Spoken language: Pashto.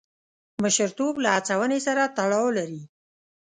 مشرتوب له هڅونې سره تړاو لري.